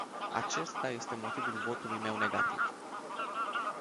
Acesta este motivul votului meu negativ.